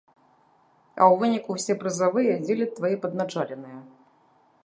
А ў выніку ўсе прызавыя дзеляць твае падначаленыя!